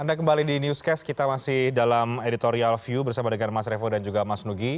anda kembali di newscast kita masih dalam editorial view bersama dengan mas revo dan juga mas nugi